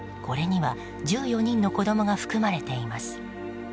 これには１４人の子供が含まれています。